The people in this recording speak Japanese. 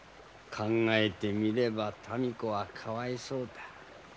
考えてみれば民子はかわいそうだ。